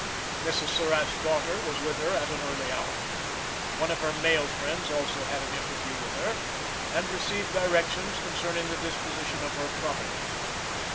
Mrs. Surratt's daughter was with her at an early hour. One of her male friends also had an interview with her, and received directions concerning the disposition of her property.